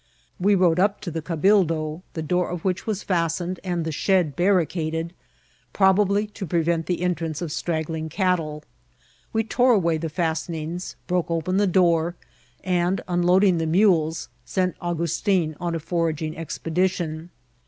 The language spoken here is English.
We rode up to the cabildo, the door of which was fest ened and the shed barricaded, probably to prevent the entrance of straggling cattle. We tore away the Csist* enings, broke open the door, and, unloading the mules, sent Augustin on a foraging expedition.